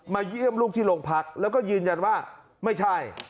เยี่ยมลูกที่โรงพักแล้วก็ยืนยันว่าไม่ใช่